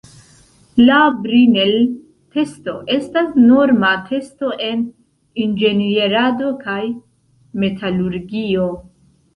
La Brinell-testo estas norma testo en inĝenierado kaj metalurgio.